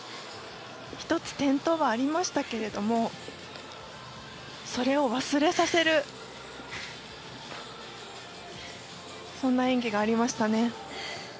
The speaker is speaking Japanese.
１つ転倒はありましたけれどもそれを忘れさせるそんな演技がありましたね。